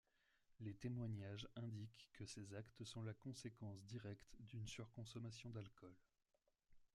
Les témoignages indiquent que ces actes sont la conséquence directe d'une surconsommation d'alcool.